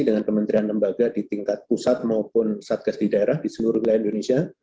dengan kementerian lembaga di tingkat pusat maupun satgas di daerah di seluruh wilayah indonesia